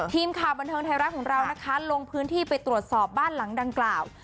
ทีมข่าวบันเทิงไทยรัฐของเรานะคะลงพื้นที่ไปตรวจสอบบ้านหลังดังกล่าว